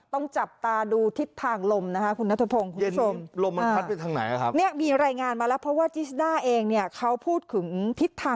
ต้องจับตาดูทิศทางลมนะคะคุณนัทพงศ์คุณผู้ชม